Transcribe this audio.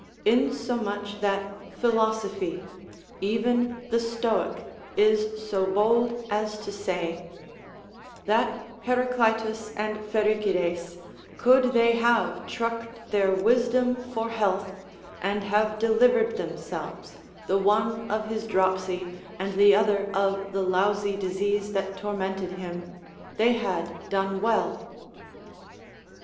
Insomuch that philosophy, even the Stoic, is so bold as to say, "That Heraclitus and Pherecides, could they have trucked their wisdom for health, and have delivered themselves, the one of his dropsy, and the other of the lousy disease that tormented him, they had done well."